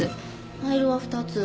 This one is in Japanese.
ファイルは２つ。